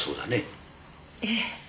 ええ。